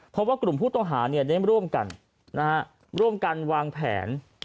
เพราะว่ากลุ่มผู้ต้องหาได้ร่วมกันร่วมกันวางแผน